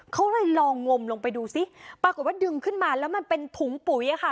เขาเลยลองงมลงไปดูซิปรากฏว่าดึงขึ้นมาแล้วมันเป็นถุงปุ๋ยอะค่ะ